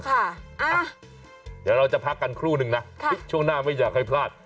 เดี๋ยวเราจะพักกันครู่นึงนะช่วงหน้าไม่อยากให้พลาด